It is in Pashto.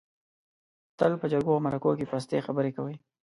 تل په جرګو او مرکو کې پستې خبرې کوي.